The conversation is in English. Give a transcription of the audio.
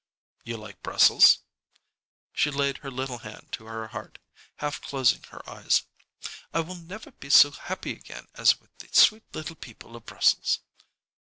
"You like Brussels?" She laid her little hand to her heart, half closing her eyes. "I will never be so happy again as with the sweet little people of Brussels."